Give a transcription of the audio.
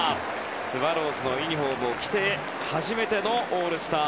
スワローズのユニホームを着て初めてのオールスター。